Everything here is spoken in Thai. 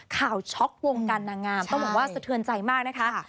ช็อกวงการนางงามต้องบอกว่าสะเทือนใจมากนะคะ